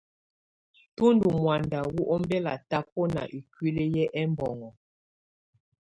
Tù ndù mɔ̀ánda wù ɔmbɛla tabɔna ikuili yɛ ɛmbɔŋɔ.